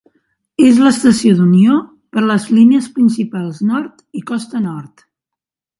És l'estació d'unió per a les línies Principal Nord i Costa Nord.